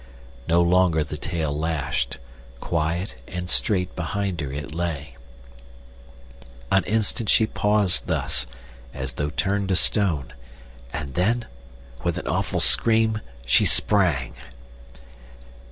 No longer the tail lashed—quiet and straight behind her it lay. An instant she paused thus, as though turned to stone, and then, with an awful scream, she sprang.